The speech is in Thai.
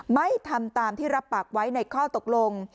ไม่ทำตามที่รับปากไว้ในข้อตกลง